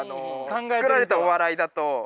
作られたお笑いだと。